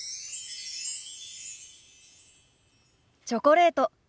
チョコレート。